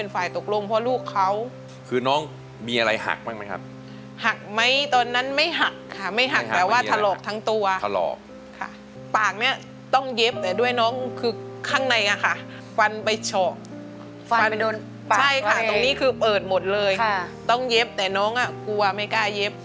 ฟันไปโดนปากเขาเองค่ะต้องเย็บแต่น้องกลัวไม่กล้าเย็บ